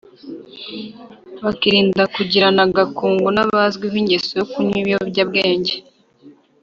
bakirinda kugirana agakungu n’abazwiho ingeso yo kunywa ibiyobya bwenge